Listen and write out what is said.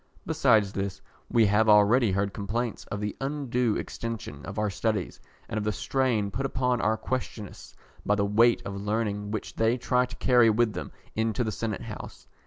Besides this, we have already heard complaints of the undue extension of our studies, and of the strain put upon our questionists by the weight of learning which they try to carry with them into the Senate House.